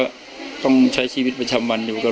ถ้าใครอยากรู้ว่าลุงพลมีโปรแกรมทำอะไรที่ไหนยังไง